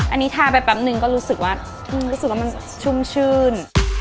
อันนี้ทาไปแป๊บนึงก็รู้สึกว่ารู้สึกว่ามันชุ่มชื่น